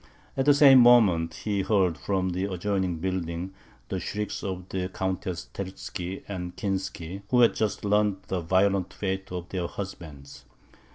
At the same moment, he heard, from the adjoining building, the shrieks of the Countesses Terzky and Kinsky, who had just learnt the violent fate of their husbands.